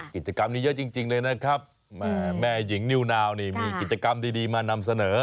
กิจกรรมนี้เยอะจริงเลยนะครับแม่หญิงนิวนาวนี่มีกิจกรรมดีมานำเสนอ